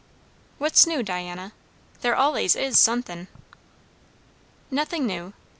"What's new, Diana? there allays is sun'thin'." "Nothing new.